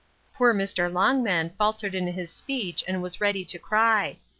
Poor Mr. Longman faltered in his speech, and was ready to cry.